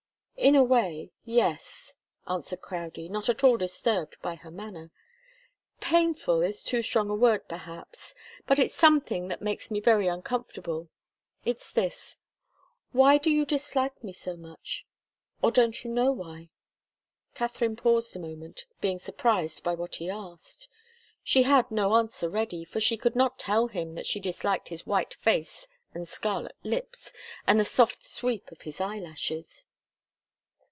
"In a way yes," answered Crowdie, not at all disturbed by her manner. "Painful is too strong a word, perhaps but it's something that makes me very uncomfortable. It's this why do you dislike me so much? Or don't you know why?" Katharine paused a moment, being surprised by what he asked. She had no answer ready, for she could not tell him that she disliked his white face and scarlet lips and the soft sweep of his eyelashes.